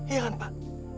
iya kan pak